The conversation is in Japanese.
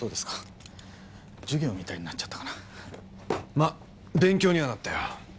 まあ勉強にはなったよ。